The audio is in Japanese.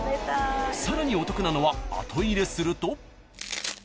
［さらにお得なのは後入れすると］